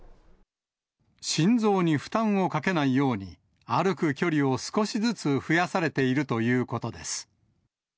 心臓に負担をかけないように、歩く距離を少しずつ増やされているということです。